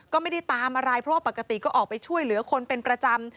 ก็ไม่ได้ตามอะไรเพราะว่าปกติก็ออกไปช่วยเหลือคนเป็นประจำ